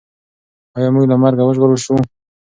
ایا موږ له مرګه وژغورل شوو؟